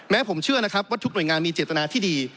ผมเชื่อนะครับว่าทุกหน่วยงานมีเจตนาที่ดี